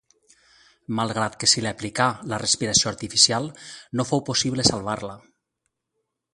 Malgrat que se li aplicà la respiració artificial no fou possible salvar-la.